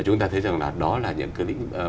chúng ta thấy rằng là đó là những cái lĩnh